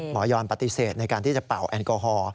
หมอยอนปฏิเสธในการที่จะเป่าแอลกอฮอล์